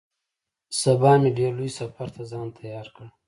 سبا مې ډېر لوی سفر ته ځان تيار کړ.